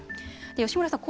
吉村さん